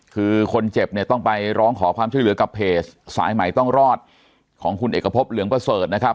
คือคนเจ็บเนี่ยต้องไปร้องขอความช่วยเหลือกับเพจสายใหม่ต้องรอดของคุณเอกพบเหลืองประเสริฐนะครับ